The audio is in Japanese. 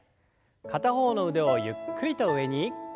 片方の腕をゆっくりと上に。